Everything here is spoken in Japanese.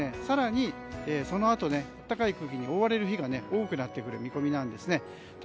更に、そのあと暖かい空気に覆われる日が多くなってくる見込みなんですね。